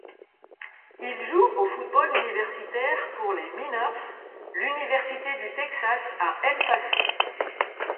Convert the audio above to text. Il joue au football universitaire pour les Miners l'université du Texas à El Paso.